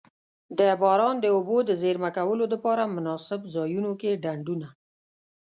د باران د اوبو د زیرمه کولو دپاره مناسب ځایونو کی ډنډونه.